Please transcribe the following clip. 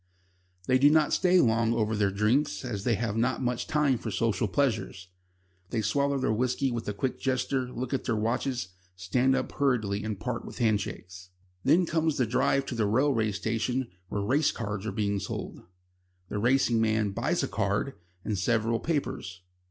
They do not stay long over their drinks, as they have not much time for social pleasures. They swallow their whisky with a quick gesture look at their watches, stand up hurriedly and part with handshakes. Then comes a drive to the railway station where race cards are being sold. The racing man buys a "card" and several papers.